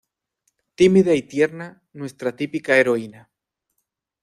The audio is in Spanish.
Tímida y tierna, nuestra típica heroína.